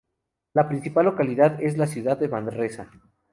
La principal localidad es la ciudad de Manresa.